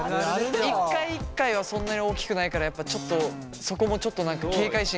一回一回はそんなに大きくないからやっぱちょっとそこもちょっと何か警戒心が緩んでしまうという。